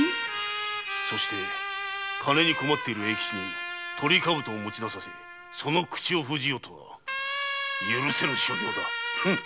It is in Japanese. そして金に困っている永吉にトリカブトを持ち出させその口を封じようとは許せぬ所業だ！